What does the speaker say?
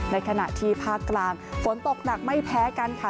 ในขณะที่ภาคกลางฝนตกหนักไม่แพ้กันค่ะ